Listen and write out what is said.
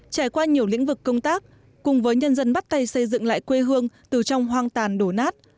trải qua nhiều lĩnh vực công tác cùng với nhân dân bắt tay xây dựng lại quê hương từ trong hoang tàn đổ nát